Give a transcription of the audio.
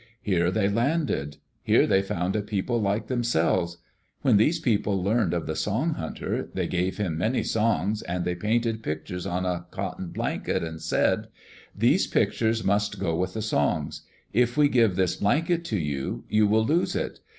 Here they landed. Here they found a people like themselves. When these people learned of the Song hunter, they gave him many songs and they painted pictures on a cotton blanket and said, "These pictures must go with the songs. If we give this blanket to you, you will lose it.